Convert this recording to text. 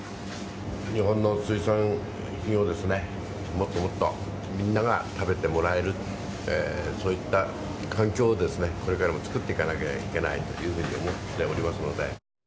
日本の水産品をもっともっとみんなが食べてもらえる、そういった環境を、これからも作っていかなきゃいけないというふうに思っておりますので。